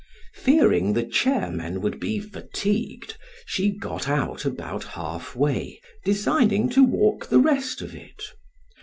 Fearing the chairmen would be fatigued, she got out about half way, designing to walk the rest of it.